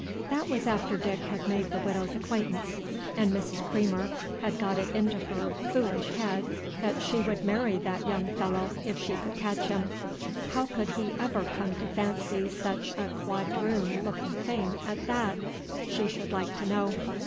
That was after Dick had made the Widow's acquaintance, and Mrs. Creamer had got it into her foolish head that she would marry that young fellow, if she could catch him. How could he ever come to fancy such a quadroon looking thing as that, she should like to know?